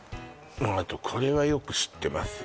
あとこれはよく知ってますよ